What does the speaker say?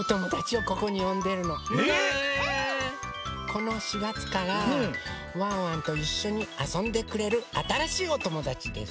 この４がつからワンワンといっしょにあそんでくれるあたらしいおともだちです。